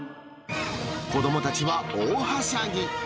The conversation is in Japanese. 子どもたちは大はしゃぎ。